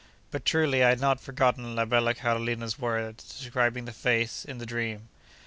But, truly, I had not forgotten la bella Carolina's words describing the face in the dream.